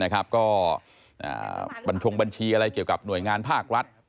ก็บัญชงบัญชีอะไรเกี่ยวกับหน่วยงานภาครัฐ